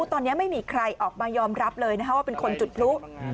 ตอนนี้ไม่มีใครออกมายอมรับเลยว่าเป็นคนจุดพลุ